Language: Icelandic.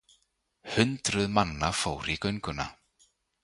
Hundruð manna fór í gönguna.